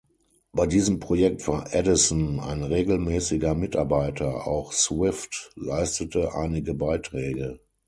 Bei diesem Projekt war Addison ein regelmäßiger Mitarbeiter, auch Swift leistete einige Beiträge.